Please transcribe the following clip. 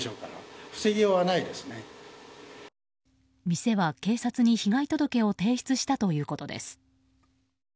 店は警察に被害届を提出したということです。